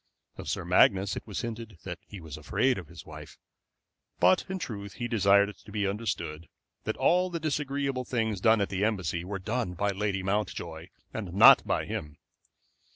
Of Sir Magnus it was hinted that he was afraid of his wife; but in truth he desired it to be understood that all the disagreeable things done at the Embassy were done by Lady Mountjoy, and not by him.